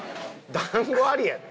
団子ありやで？